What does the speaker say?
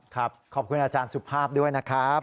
ขอบคุณอาจารย์สุภาพด้วยนะครับ